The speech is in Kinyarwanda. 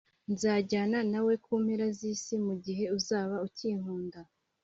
Nzajyana nawe ku mpera z’Isi mu gihe uzaba ukinkunda